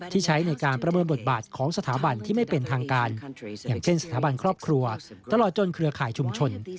ใช้ในการประเมินบทบาทของสถาบันที่ไม่เป็นทางการอย่างเช่นสถาบันครอบครัวตลอดจนเครือข่ายชุมชน